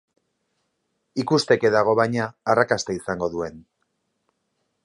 Ikusteke dago, baina, arrakasta izango duen.